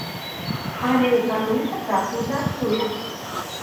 Але эканоміка так не працуе.